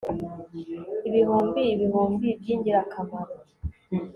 Ibihumbi Ibihumbi Byingirakamaro